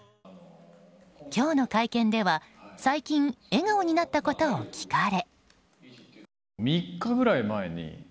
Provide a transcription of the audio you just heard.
今日の会見では最近笑顔になったことを聞かれ。